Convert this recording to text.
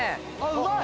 うまい！